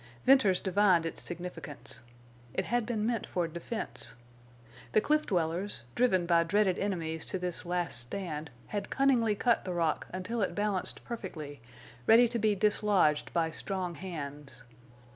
Venters divined its significance. It had been meant for defense. The cliff dwellers, driven by dreaded enemies to this last stand, had cunningly cut the rock until it balanced perfectly, ready to be dislodged by strong hands.